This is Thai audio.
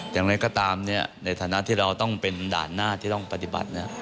อย่างไรก็ตามในฐานะที่เราต้องเป็นด่านหน้าที่ต้องปฏิบัติ